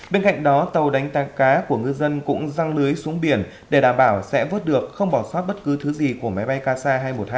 bên cạnh đó tàu đánh tăng cá của ngư dân cũng răng lưới xuống biển để đảm bảo sẽ vứt được không bỏ xót bất cứ thứ gì của máy bay casa hai trăm một mươi hai